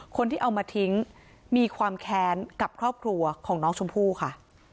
คนที่เอามาทิ้งมีความแค้นกับครอบครัวของน้องชมพู่ค่ะ